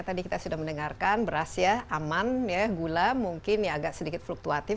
tadi kita sudah mendengarkan beras ya aman ya gula mungkin agak sedikit fluktuatif